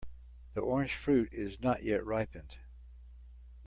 The orange fruit is not yet ripened.